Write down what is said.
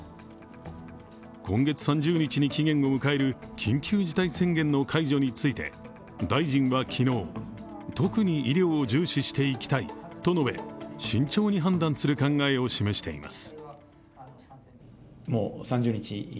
今月３０日に期限を迎える緊急事態宣言の解除について大臣は昨日、特に医療を重視していきたいと述べ慎重に判断する考えを示しています。